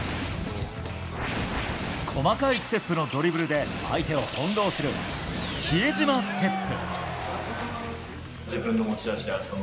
細かいステップのドリブルで相手を翻弄する比江島ステップ。